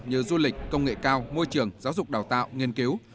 như du lịch công nghệ cao môi trường giáo dục đào tạo nghiên cứu